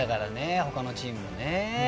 ほかのチームもね。